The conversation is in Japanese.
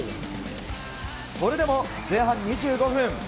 それでも前半２５分。